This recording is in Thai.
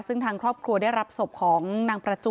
ซึ่งทางครอบครัวได้รับศพของนางประจุ